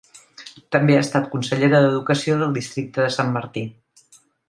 També ha estat consellera d'educació del districte de Sant Martí.